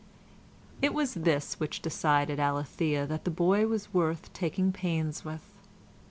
It was this which decided Alethea that the boy was worth taking pains with.